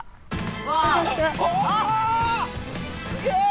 わすげえ！